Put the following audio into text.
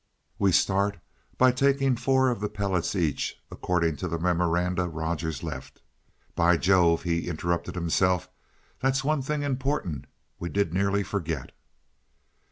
We start by taking four of the pellets each, according to the memoranda Rogers left. By Jove!" he interrupted himself, "that's one thing important we did nearly forget."